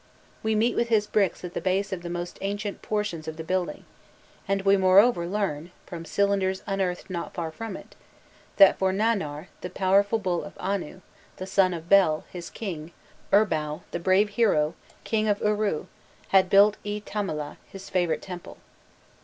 We meet with his bricks at the base of the most ancient portions of the building, and we moreover learn, from cylinders unearthed not far from it, that "for Nannar, the powerful bull of Anu, the son of Bel, his King, Urbau, the brave hero, King of Uru, had built E Timila, his favourite temple."